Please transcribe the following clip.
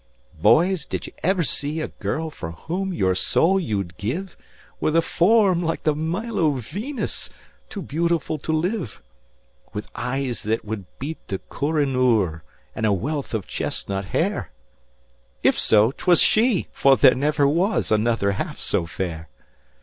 "Boys, did you ever see a girl for whom your soul you'd give, With a form like the Milo Venus, too beautiful to live; With eyes that would beat the Koh i noor, and a wealth of chestnut hair? If so, 'twas she, for there never was another half so fair.